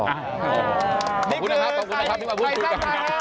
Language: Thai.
อ๋อนี่คือใครจัดการ